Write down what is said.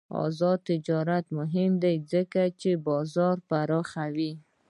آزاد تجارت مهم دی ځکه چې بازار پراخوي.